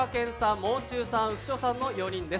もう中さん、浮所さんの４人です。